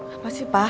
apa sih pa